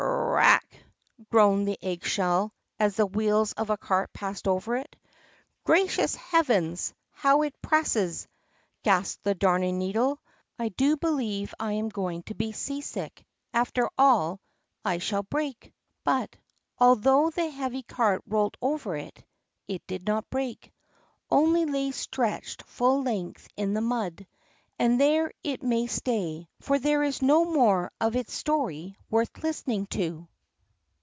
"C r r rack!" groaned the egg shell, as the wheels of a cart passed over it. "Gracious heavens! how it presses!" gasped the Darning needle. "I do believe I am going to be seasick, after all. I shall break!" But, although the heavy cart rolled over it, it did not break, only lay stretched full length in the mud, and there it may stay, for there is no more of its story worth listening to.